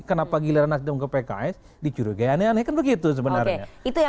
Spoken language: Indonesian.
kenapa giliran nasdem ke pks dicurigai aneh aneh kan begitu sebenarnya